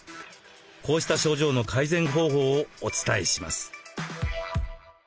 こうした症状の改善方法をお伝えします。